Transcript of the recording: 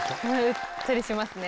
うっとりしますね。